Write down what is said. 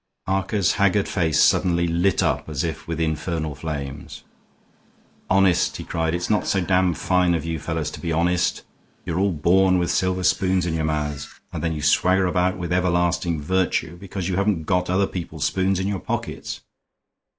Harker's haggard face suddenly lit up as if with infernal flames. "Honest," he cried, "it's not so damned fine of you fellows to be honest. You're all born with silver spoons in your mouths, and then you swagger about with everlasting virtue because you haven't got other people's spoons in your pockets.